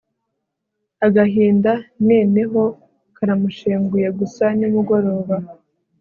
agahinda neneho karamushengura gusa nimugoroba